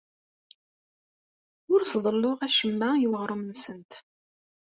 Ur as-ḍelluɣ acemma i weɣrum-nsent.